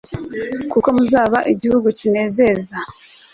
kuko muzaba igihugu kinezeza